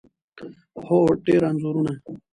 هو، ډیر انځورونه